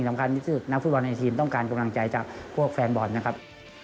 สำคัญที่สุดนักฟุตบอลในทีมต้องการกำลังใจจากพวกแฟนบอลนะครับ